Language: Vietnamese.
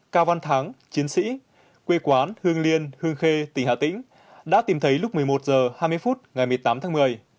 cao văn thắng chiến sĩ quê quán hương liên hương khê tỉnh hà tĩnh đã tìm thấy lúc một mươi một h hai mươi phút ngày một mươi tám tháng một mươi